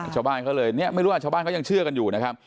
ชาวบ้านเขาเลยเนี่ยไม่รู้ว่าชาวบ้านเขายังเชื่อกันอยู่นะครับ